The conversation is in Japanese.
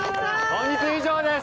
本日以上です。